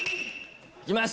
行きます！